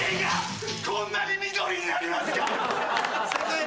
こんなに緑になりますか！